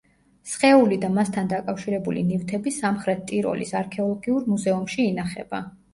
სხეული და მასთან დაკავშირებული ნივთები სამხრეთ ტიროლის არქეოლოგიურ მუზეუმში ინახება.